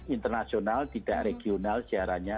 internasional tidak regional sejarahnya